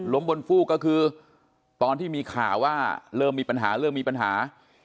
บนฟูกก็คือตอนที่มีข่าวว่าเริ่มมีปัญหาเริ่มมีปัญหา